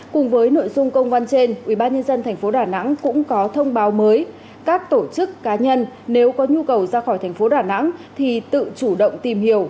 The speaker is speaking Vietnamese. cùng với nội dung công văn trên ubnd tp đà nẵng cũng có thông báo mới các tổ chức cá nhân nếu có nhu cầu ra khỏi thành phố đà nẵng thì tự chủ động tìm hiểu